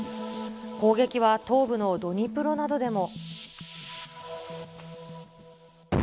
攻撃は東部のドニプロなどでも。